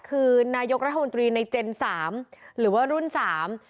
คือนายกรัฐมนตรีในเจนสามหรือว่ารุ่นสาม